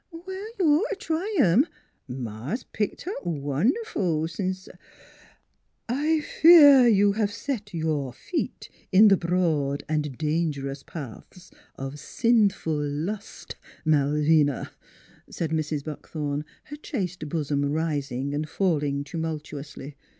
Well, you'd ought t' try 'em. Ma's picked up wonderful sence "" I fear you have set your feet in the broad an' dangerous paths of sinful lust, Malvina," said Mrs. Buckthorn, her chaste bosom rising and falling tumultuously.